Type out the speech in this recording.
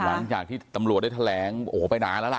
หลังจากที่ตำรวจได้แถลงโอ้โหไปนานแล้วล่ะ